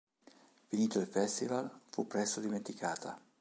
Finito il Festival, fu presto dimenticata.